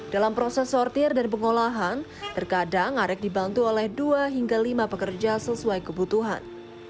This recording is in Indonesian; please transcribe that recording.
dalam proses sortir dan pengolahan terkadang arek dibantu oleh dua hingga lima pekerja sesuai kebutuhan